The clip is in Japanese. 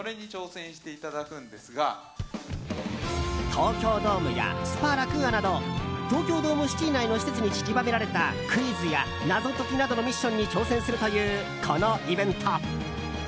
東京ドームやスパラクーアなど東京ドームシティ内の施設に散りばめられたクイズや謎解きなどのミッションに挑戦するというこのイベント。